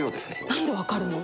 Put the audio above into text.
なんで分かるの？